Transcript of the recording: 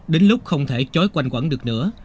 đến lúc không thể trói quanh quẳng được nữa